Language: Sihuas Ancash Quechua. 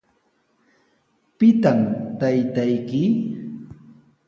¿Pitaq taytayki?